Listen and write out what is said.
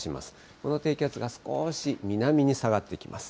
この低気圧が少し南に下がってきます。